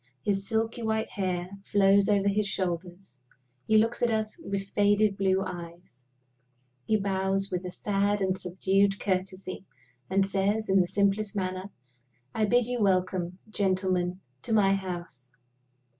His silky white hair flows over his shoulders; he looks at us with faded blue eyes; he bows with a sad and subdued courtesy, and says, in the simplest manner, "I bid you welcome, gentlemen, to my house."